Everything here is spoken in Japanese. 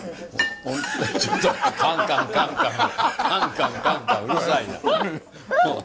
ちょっとカンカンカンカンカンカンカンカンうるさいな。